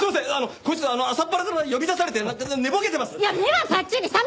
こいつ朝っぱらから呼び出されて寝ぼけてます。